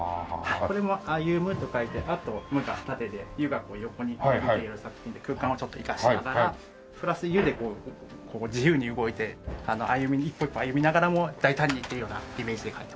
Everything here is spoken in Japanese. これも「あゆむ」と書いて「あ」と「む」が縦で「ゆ」が横に飛び出ている作品で空間をちょっと生かしながらプラス「ゆ」で自由に動いて歩み一歩一歩歩みながらも大胆にというようなイメージで書いてますね。